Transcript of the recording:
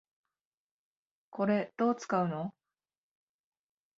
これ、どう使うの？